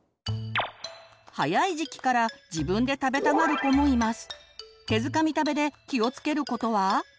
早い時期から自分で食べたがる子もいます。